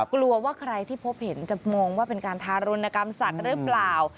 กลัวว่าใครที่พบเห็นจะมองว่าเป็นการทารุณกรรมสัตว์หรือเปล่า